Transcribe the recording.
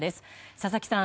佐々木さん